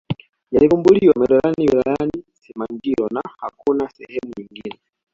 yalivumbuliwa mererani wilayani simanjiro na hakuna sehemu nyingine